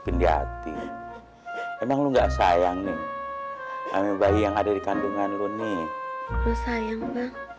penjati emang lu enggak sayang nih kami bayi yang ada di kandungan lu nih lu sayangnya